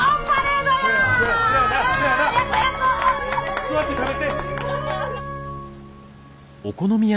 座って食べて。